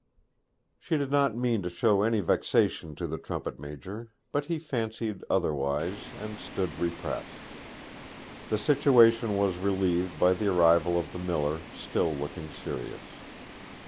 She did not mean to show any vexation to the trumpet major, but he fancied otherwise, and stood repressed. The situation was relieved by the arrival of the miller, still looking serious.